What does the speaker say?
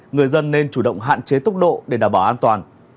người dân nên chủ động hạn chế tốc độ để đảm bảo an toàn